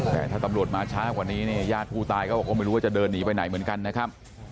แต่ถ้าตำรวจมาช้ากว่านี้เนี่ยญาติผู้ตายก็ไม่รู้ว่าจะเดินหนีไปไหนเหมือนกันนะครับ